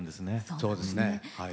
そうですねはい。